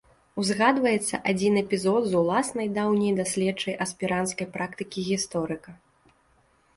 Узгадваецца адзін эпізод з уласнай даўняй даследчай аспіранцкай практыкі гісторыка.